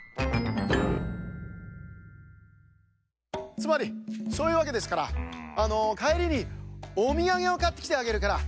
つまりそういうわけですからあのかえりにおみやげをかってきてあげるからねっ！